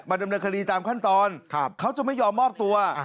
บรรดิการคดีตามขั้นตอนครับเขาจะไม่ยอมมอบตัวอ่าฮะ